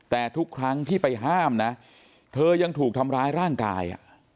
แต่ทุกครั้งที่ไปห้ามนะเธอยังถูกทำร้ายร่างกาย